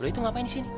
lo itu ngapain disini